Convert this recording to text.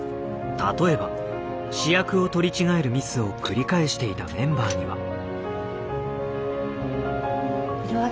例えば試薬を取り違えるミスを繰り返していたメンバーには。